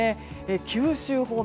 九州方面。